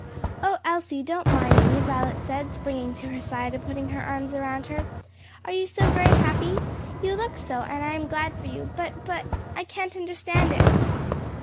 "O Elsie, don't mind me!" Violet said, springing to her side and putting her arms around her. "Are you so very happy? You look so, and I am glad for you; but but I can't understand it."